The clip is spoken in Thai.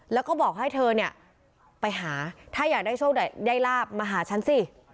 แล้วก็บอกให้เธอเนี่ยไปหาถ้าอยากได้โชคได้ลาบมาหาฉันสิ